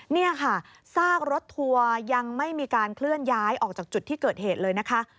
นี่ค่ะซากรถทัวร์ยังไม่มีการเคลื่อนย้ายออกจากจุดที่เกิดเหตุเลยนะคะ